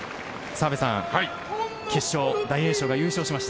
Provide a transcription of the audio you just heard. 澤部さん、決勝大栄翔が優勝しました。